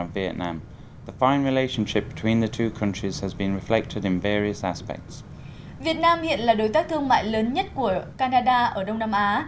việt nam hiện là đối tác thương mại lớn nhất của canada ở đông nam á